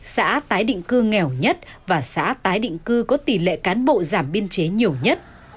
xã tái định cư nghèo nhất và xã tái định cư có tỷ lệ cán bộ giảm biên chế nhiều nhất